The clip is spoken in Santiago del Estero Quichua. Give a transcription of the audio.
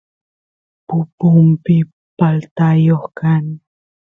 pupumpi paltayoq kan